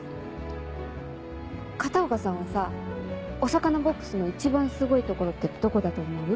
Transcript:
片岡さんはさお魚ボックスの一番すごいところってどこだと思う？